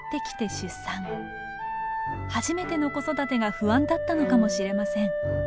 初めての子育てが不安だったのかもしれません。